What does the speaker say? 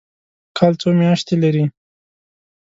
کال څو میاشتې لري؟